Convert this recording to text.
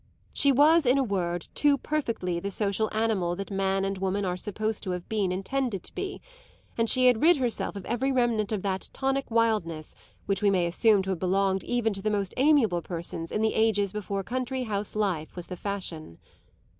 She was in a word too perfectly the social animal that man and woman are supposed to have been intended to be; and she had rid herself of every remnant of that tonic wildness which we may assume to have belonged even to the most amiable persons in the ages before country house life was the fashion.